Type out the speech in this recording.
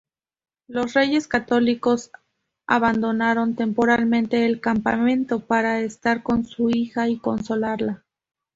Los Reyes Católicos abandonaron temporalmente el campamento para estar con su hija y consolarla.